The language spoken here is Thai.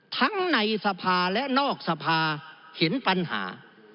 ทั้งในสภาและนอกสภาเห็นปัญหา